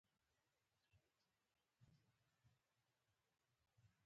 ښوونځی له شاګرد سره مهرباني کوي